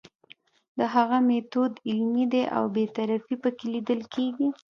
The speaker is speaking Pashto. د هغه میتود علمي دی او بې طرفي پکې لیدل کیږي.